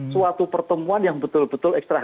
suatu pertemuan yang betul betul ekstra